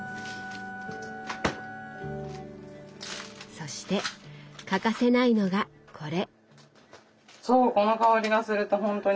そして欠かせないのがこれ。